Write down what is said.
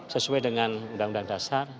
sesuai dengan undang undang dasar